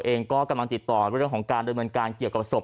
เองก็กำลังติดต่อเรื่องของการดำเนินการเกี่ยวกับศพ